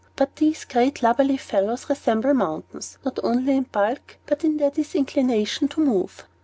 But these great lubberly fellows resemble mountains, not only in bulk, but in their disinclination to move.